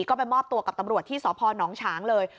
ก็ไปมอบตัวกับตำรวจที่สพนฉางเลย